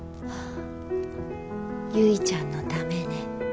ゆいちゃんのためね。